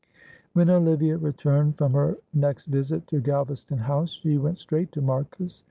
When Olivia returned from her next visit to Galvaston House she went straight to Marcus.